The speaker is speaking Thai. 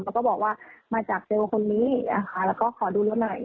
แล้วก็บอกว่ามาจากเจอคนนี้นะคะแล้วก็ขอดูเราหน่อย